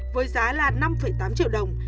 với giá là năm tám triệu đồng